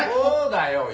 そうだよ！